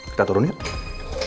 kita turun yuk